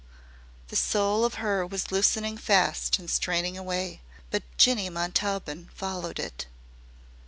The soul of her was loosening fast and straining away, but Jinny Montaubyn followed it.